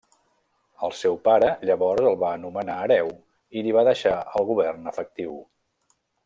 El seu pare llavors el va nomenar hereu i li va deixar el govern efectiu.